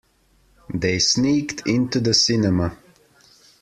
They sneaked into the cinema.